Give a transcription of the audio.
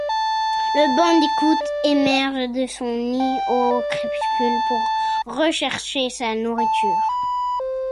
Le bandicoot émerge de son nid au crépuscule pour rechercher sa nourriture.